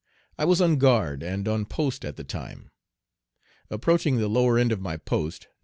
I was on guard and on post at the time. Approaching the lower end of my post, No.